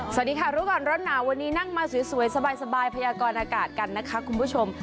สวัสดีค่ะรู้กันรถหนาวันนี้นั่งมาสวยสวยสบายสบายพยากรณ์อากาศกันนะคะคุณผู้ชม